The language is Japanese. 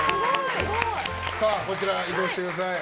こちら、移動してください。